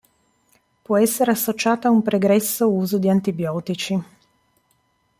Può essere associata a un pregresso uso di antibiotici.